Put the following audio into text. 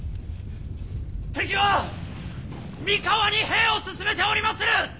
敵は三河に兵を進めておりまする！